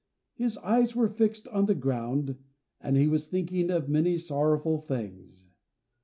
His eyes were fixed on the ground, and he was thinking of many sorrowful things.